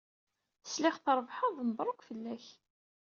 Sliɣ trebḥeḍ. Mebṛuk fell-ak!